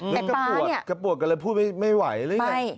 แต่ตานี่กระปวดกันเลยพูดไม่ไหวหรืออย่างนี้